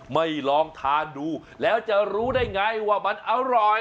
ลองทานดูแล้วจะรู้ได้ไงว่ามันอร่อย